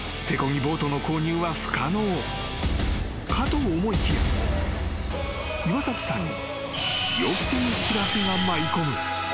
ボートの購入は不可能かと思いきや岩崎さんに］